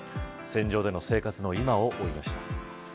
戦場での生活の今を追いました。